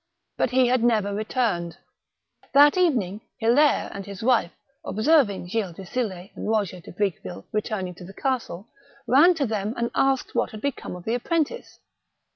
But he had never returned. That evening Hiliare and his wife, observing Gilles de Sill6 and Eoger de Briqueville returning to the castle, ran to them and asked what had become of the appren tice.